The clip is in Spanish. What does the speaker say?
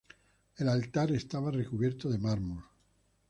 El altar estaba recubierto de mármol.